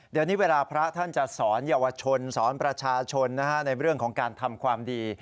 เดี๋ยวนี้เวลาพระท่านจะสอนเยาวชนสอนประชาชนในเรื่องของการทำความดี